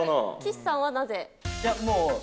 岸さんはなぜ？